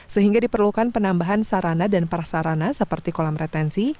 sehingga diperlukan penambahan sarana dan prasarana seperti kolam retensi